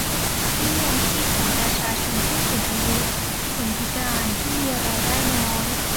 เบี้ยยังชีพของประชาชนผู้สูงอายุ คนพิการที่มีรายได้น้อย